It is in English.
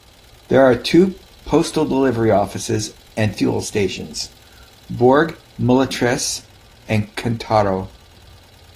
There are two Postal Delivery Offices and Fuel Stations; Bourg Mulatresse and Cantaro.